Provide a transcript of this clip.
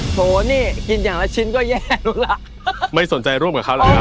โหนี่กินอย่างละชิ้นก็แย่ลูกละไม่สนใจร่วมกับเขาหรอกครับ